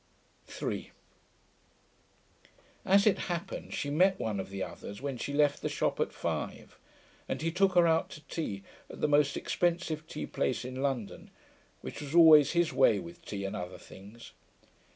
3 As it happened, she met one of the others when she left the shop at five, and he took her out to tea at the most expensive tea place in London, which was always his way with tea and other things.